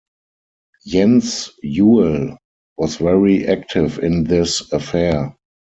Jens Juel was very active in this affair.